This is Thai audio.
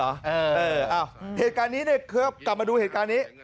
เออเหตุการณ์นี้เนี่ยกลับมาดูเหตุการณ์นี้